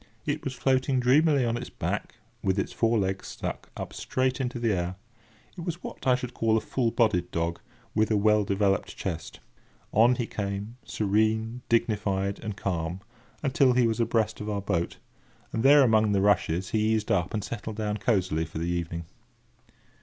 It was floating dreamily on its back, with its four legs stuck up straight into the air. It was what I should call a full bodied dog, with a well developed chest. On he came, serene, dignified, and calm, until he was abreast of our boat, and there, among the rushes, he eased up, and settled down cosily for the evening.